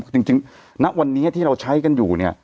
จริงณวันนี้ที่เราใช้กันอยู่เนี่ย